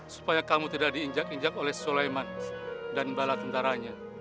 supaya kamu tidak diinjak injak oleh sulaiman dan bala tentaranya